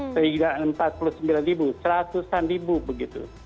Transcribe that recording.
sehingga empat puluh sembilan ribu seratusan ribu begitu